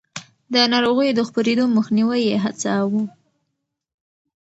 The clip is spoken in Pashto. د ناروغيو د خپرېدو مخنيوی يې هڅاوه.